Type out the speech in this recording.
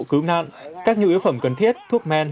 cứu nạn các nhu yếu phẩm cần thiết thuốc men